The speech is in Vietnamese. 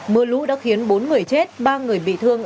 mưa lũ đã khiến bốn người chết ba người bị thương